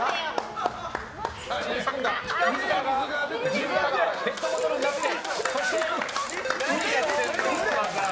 自分がペットボトルになって。